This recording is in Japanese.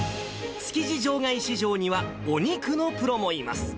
築地場外市場にはお肉のプロもいます。